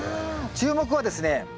注目はですね